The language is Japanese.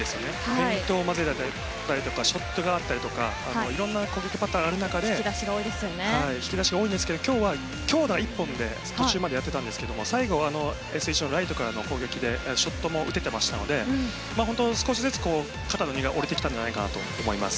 フェイントを混ぜたりショットがあったりとかいろいろな攻撃パターンがある中引き出しが多いんですが今日は強打１本で途中までやっていたんですが最後はライトからの攻撃でショットも打てていましたので本当に少しずつ肩の荷が下りてきたと思います。